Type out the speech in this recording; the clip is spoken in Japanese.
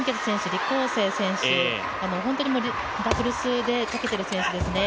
李皓晴選手、本当にダブルスでたけてる選手ですね。